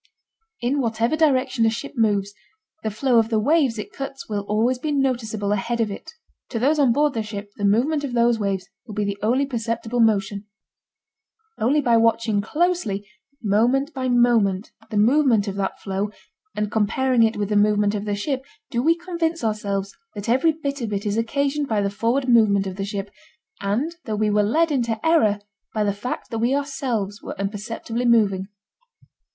In whatever direction a ship moves, the flow of the waves it cuts will always be noticeable ahead of it. To those on board the ship the movement of those waves will be the only perceptible motion. Only by watching closely moment by moment the movement of that flow and comparing it with the movement of the ship do we convince ourselves that every bit of it is occasioned by the forward movement of the ship, and that we were led into error by the fact that we ourselves were imperceptibly moving.